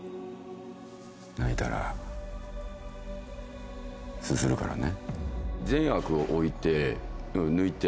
泣いたらすするからね。